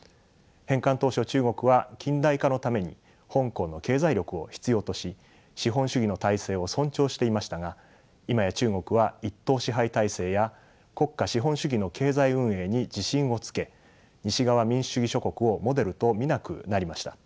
返還当初中国は近代化のために香港の経済力を必要とし資本主義の体制を尊重していましたが今や中国は一党支配体制や国家資本主義の経済運営に自信をつけ西側民主主義諸国をモデルと見なくなりました。